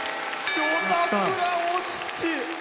「夜桜お七」。